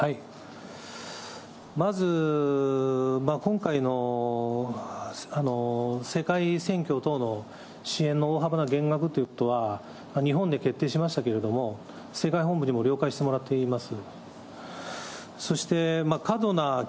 まず、今回の世界の支援の大幅に減額ということは、日本で決定しましたけれども、世界本部にも了解してもらっています。